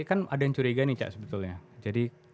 kan ada yang curiga nih cak sebetulnya jadi